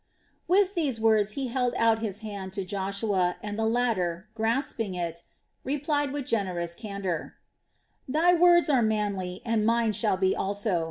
With these words he held out his hand to Joshua and the latter, grasping it, replied with generous candor: "Thy words are manly and mine shall be also.